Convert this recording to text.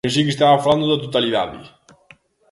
Pensei que estaba falando da totalidade.